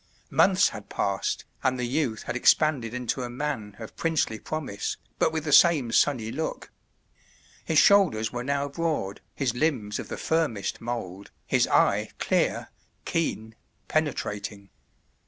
Months had passed, and the youth had expanded into a man of princely promise, but with the same sunny look. His shoulders were now broad, his limbs of the firmest mould, his eye clear, keen, penetrating.